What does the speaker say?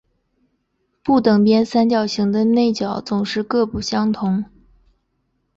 不等边三角形的内角总是各不相同。